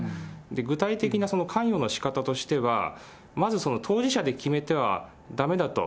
具体的な関与のしかたとしては、まず当事者で決めてはだめだと。